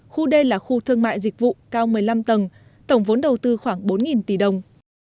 khu đê là khu thương mại dịch vụ cao một mươi năm tầng tổng vốn đầu tư khoảng bốn tỷ đồng